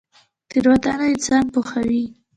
تیروتنه انسان پوهوي